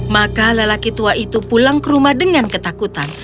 maka lelaki tua itu pulang ke rumah dengan ketakutan